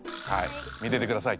見ててください。